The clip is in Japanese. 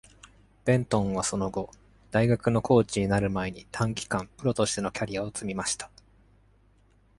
ベントンはその後、大学のコーチになる前に、短期間、プロとしてのキャリアを積みました。